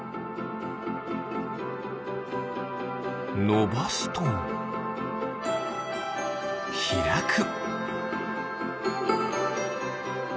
のばすとひらく。